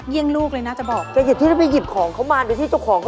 ของพี่มิ๊ก